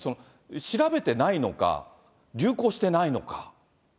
調べてないのか、流行してないのか。